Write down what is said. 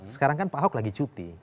sekarang kan pak ahok lagi cuti